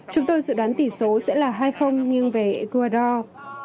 chúng tôi dự đoán tỷ số sẽ là hai nhưng về ecuador